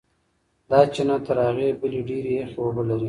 دا چینه تر هغې بلې ډېرې یخې اوبه لري.